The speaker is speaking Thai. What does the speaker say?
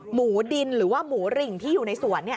หมูดินหรือว่าหมูหริ่งที่อยู่ในสวน